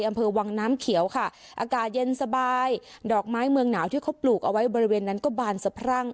อำเภอวังน้ำเขียวค่ะอากาศเย็นสบายดอกไม้เมืองหนาวที่เขาปลูกเอาไว้บริเวณนั้นก็บานสะพรั่ง